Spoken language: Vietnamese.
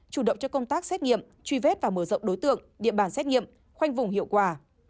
chủ động cho công tác xét nghiệm truy vết và mở rộng đối tượng địa bàn xét nghiệm khoanh vùng hiệu quả